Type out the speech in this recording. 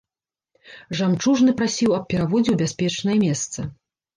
Жамчужны прасіў аб пераводзе ў бяспечнае месца.